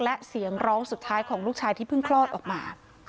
และเสียงร้องสุดท้ายของลูกชายที่เพิ่งคลอดออกมา